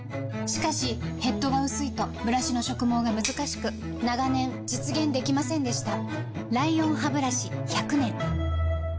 しかしヘッドが薄いとブラシの植毛がむずかしく長年実現できませんでした